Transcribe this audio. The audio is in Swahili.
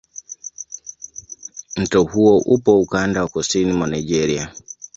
Mto huo upo ukanda wa kusini mwa Nigeria.